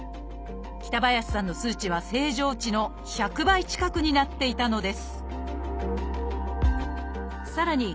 北林さんの数値は正常値の１００倍近くになっていたのですさらに